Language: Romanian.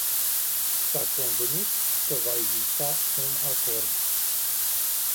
S-a convenit că va exista un acord.